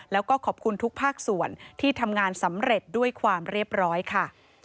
แล้วก็ขอบคุณทุกภาคส่วนที่ทำงานสำเร็จด้วยความเรียบร้อยค่ะ